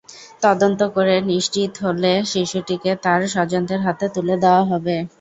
তদন্ত করে নিশ্চিত হলে শিশুটিকে তাঁর স্বজনদের হাতে তুলে দেওয়া হবে।